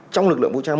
trong lực lượng vũ trang